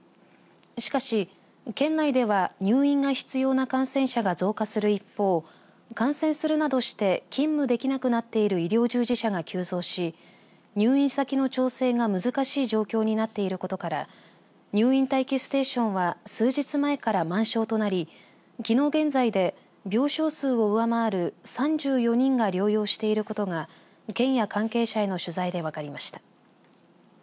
しかし、県内では入院が必要な感染者が増加する一方感染するなどして勤務できなくなっている医療従事者が急増し入院先の調整が難しい状況になっていることから入院待機ステーションは数日前から満床となりきのう現在で、病床数を上回る３４人が療養していることが県や関係者への取材で分かりました。